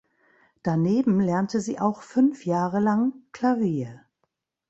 Daneben lernte sie auch fünf Jahre lang Klavier.